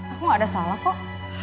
aku gak ada salah kok